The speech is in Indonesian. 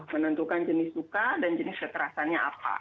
menentukan jenis tuka dan jenis keterasannya apa